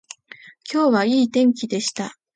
今日はいい天気でした